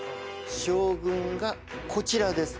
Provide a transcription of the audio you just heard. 将軍がこちらです。